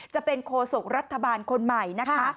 จะเป็นโคศกรัฐบาลคนใหม่นะคะ